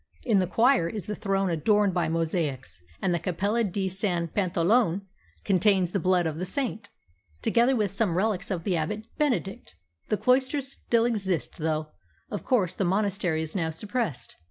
In the choir is the throne adorned by mosaics, and the Cappella di San Pantaleone contains the blood of the saint, together with some relics of the Abbot Benedict. The cloisters still exist, though, of course, the monastery is now suppressed.'"